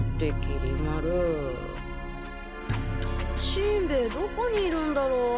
しんべヱどこにいるんだろう？